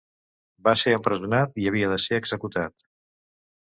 Va ser empresonat i havia de ser executat.